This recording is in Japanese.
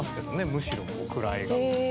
むしろ位が。